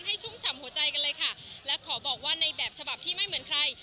ชุ่มฉ่ำหัวใจกันเลยค่ะและขอบอกว่าในแบบฉบับที่ไม่เหมือนใคร